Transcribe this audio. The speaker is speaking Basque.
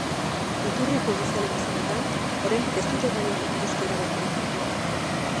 Iturri judizialen esanetan, oraindik ez dute gai horri buruzko erabakirik hartu.